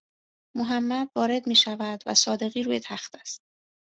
محمد وارد میشود و صادقی روی تخت است